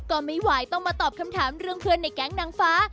ก็ไม่ไหวต้องมาตอบคำถามเรื่องเพื่อนในแก๊งนางฟ้า